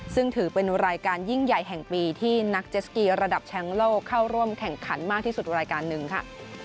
ซึ่งถือเป็นรายการยิ่งใหญ่แห่งปีที่นักเจสกีระดับแชมป์โลกเข้าร่วมแข่งขันมากที่สุดรายการหนึ่งค่ะ